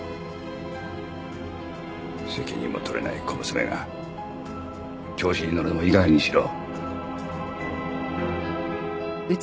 責任も取れない小娘が調子に乗るのもいいかげんにしろ。